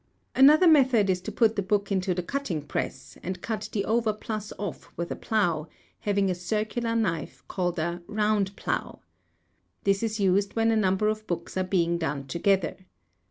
] Another method is to put the book into the cutting press, and cut the overplus off with a plough, having a circular knife, called a "round plough." This is used when a number of books are being done together.